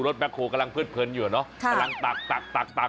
รถแมลกโครกำลังเพิ้ดเผินนอยู่เหรอนี่อย่างนี้